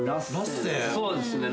そうですね。